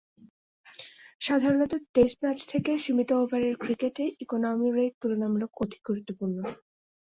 সাধারণত টেস্ট ম্যাচের চেয়ে সীমিত ওভারের ক্রিকেটে ইকোনমি রেট তুলনামূলক অধিক গুরুত্বপূর্ণ।